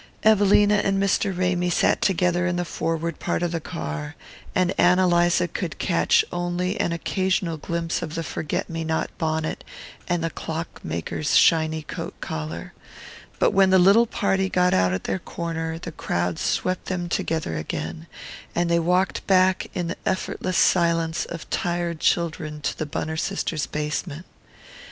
Evelina and Mr. Ramy sat together in the forward part of the car, and Ann Eliza could catch only an occasional glimpse of the forget me not bonnet and the clock maker's shiny coat collar; but when the little party got out at their corner the crowd swept them together again, and they walked back in the effortless silence of tired children to the Bunner sisters' basement.